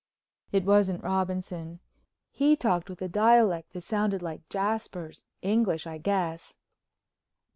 It wasn't Robinson. He talked with a dialect that sounded like Jasper's, English, I guess.